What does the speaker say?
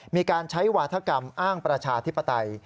มีการใช้วาธกรรมอ้างประชาธิปไตย